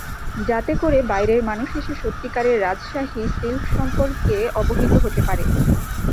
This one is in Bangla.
যাতে করে বাইরের মানুষ এসে সত্যিকারের রাজশাহী সিল্ক সম্পর্কে অবহিত হতে পারে।